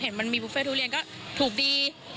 มันมีบุฟเฟ่ทุเรียนก็ถูกดี